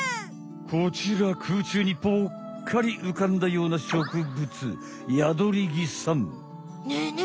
こちら空中にぽっかりうかんだような植物ねえね